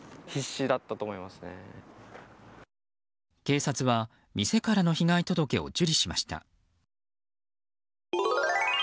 警察は店からの被害届を受理しました。